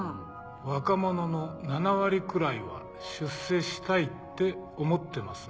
若者の７割くらいは出世したいって思ってますね。